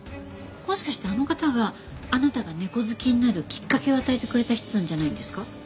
もしかしてあの方があなたが猫好きになるきっかけを与えてくれた人なんじゃないんですか？